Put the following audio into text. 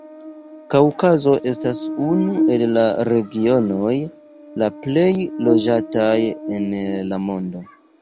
Kaŭkazo estas unu el la regionoj la plej loĝataj en la mondo.